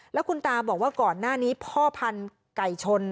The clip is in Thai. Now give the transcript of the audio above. แล้วคุณตาบอกว่าก่อนหน้านี้พ่อพันธุ์ไก่ชน